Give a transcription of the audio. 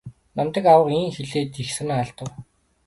Намдаг авга ийн хэлээд их санаа алдав.